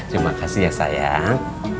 terima kasih ya sayang